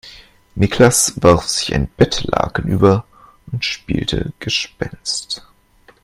Niklas warf sich ein Bettlaken über und spielte Gespenst.